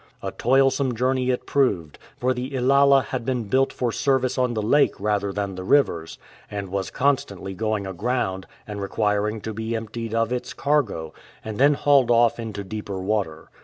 A toilsome journey it proved, for the IlaJa had been built for service on the lake rather than the rivers, and was constantly going aground and requiring to be emptied of its cargo, and then hauled off into deeper water.